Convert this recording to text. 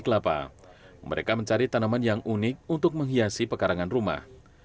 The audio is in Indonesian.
kami mencari tanaman yang unik untuk menghiasi pekarangan rumah